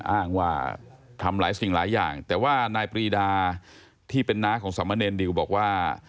อ้างว่าทำหลายสิ่งหลายอย่างแต่ว่านายปรีดาที่เป็นน้าของสามเณรดิวบอกว่า